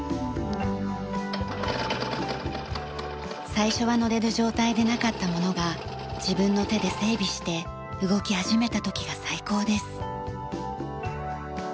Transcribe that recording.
最初は乗れる状態でなかったものが自分の手で整備して動き始めた時が最高です。